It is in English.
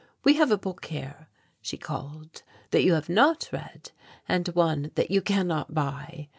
"We have a book here," she called, "that you have not read, and one that you cannot buy.